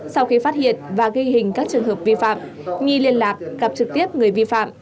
sau khi phát hiện và ghi hình các trường hợp vi phạm nghi liên lạc gặp trực tiếp người vi phạm